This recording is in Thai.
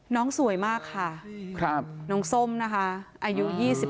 น้องสวยมากค่ะครับน้องส้มนะคะอายุ๒๖